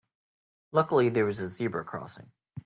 Luckily there was a zebra crossing.